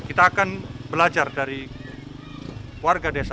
kita akan belajar dari warga desa